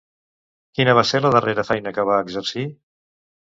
Quina va ser la darrera feina que va exercir?